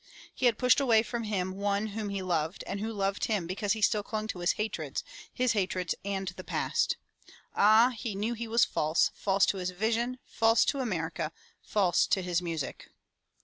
He had pushed away from him one whom he loved and who loved him because he still clung to his hatreds, his hatreds and the past. Ah, he knew he was false, false to his vision, false to America, false to his music.